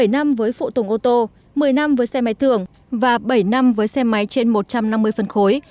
bảy năm với phụ tùng ô tô một mươi năm với xe máy tưởng và bảy năm với xe máy trên một trăm năm mươi phân khối